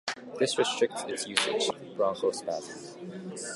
This restricts its usage, as treating asthmatics could induce bronchospasms.